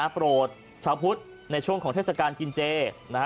โปรดชาวพุทธในช่วงของเทศกาลกินเจ